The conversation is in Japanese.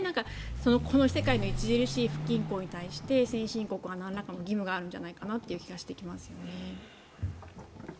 この世界の著しい不均衡に対して先進国はなんらかの義務があるんじゃないかという気がしてきます。